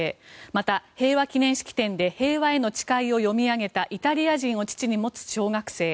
また、平和記念式典で「平和への誓い」を読み上げたイタリア人を父に持つ小学生。